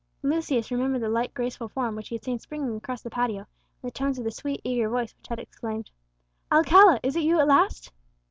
Lucius remembered the light graceful form which he had seen springing across the patio, and the tones of the sweet eager voice which had exclaimed, "Alcala, is it you at last?"